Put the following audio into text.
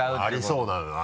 ありそうな。